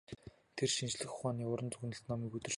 Тэр шинжлэх ухааны уран зөгнөлт номыг өдөр шөнөгүй уншина.